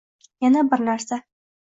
Yana bir narsa